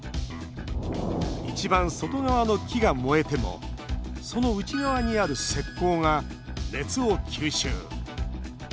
一番外側の木が燃えてもその内側にある石こうが熱を吸収。